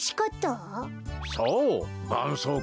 そう！